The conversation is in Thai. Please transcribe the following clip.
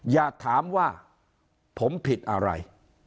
อย่าถามว่าผมผิดอะไร